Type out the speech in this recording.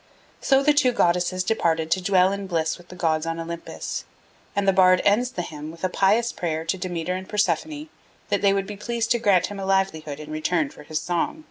So the two goddesses departed to dwell in bliss with the gods on Olympus; and the bard ends the hymn with a pious prayer to Demeter and Persephone that they would be pleased to grant him a livelihood in return for his song.